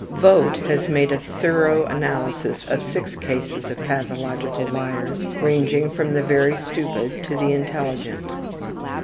Vogt has made a thorough analysis of six cases of pathological liars, ranging from the very stupid to the intelligent.